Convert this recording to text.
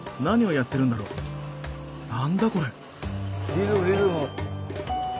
リズムリズム。